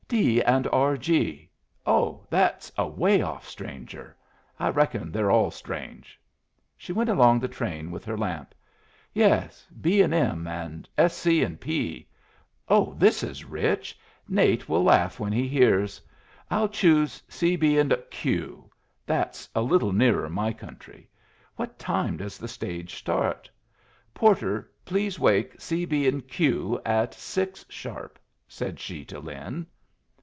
"'D. and R. G.' Oh, that's a way off stranger! I reckon they're all strange." She went along the train with her lamp. "Yes, 'B. and M.' and 'S. C. and P.' Oh, this is rich! Nate will laugh when he hears. I'll choose 'C., B. and Q.' That's a little nearer my country. What time does the stage start? Porter, please wake 'C., B. and Q.' at six, sharp," said she to Lin.